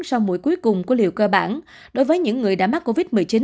sau mũi cuối cùng của liệu cơ bản đối với những người đã mắc covid một mươi chín